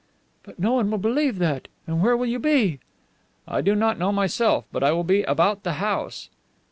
"But no one will believe that. And where will you be?" "I do not know myself. But I will be about the house."